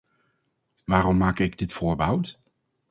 Waarom maak ik dit voorbehoud?